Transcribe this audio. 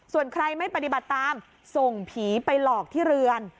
ส่วนใครไม่ปฏิบัติตามส่งผีไปหลอกที่เรือน